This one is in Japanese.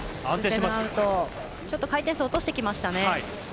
ちょっと回転数落としてきました。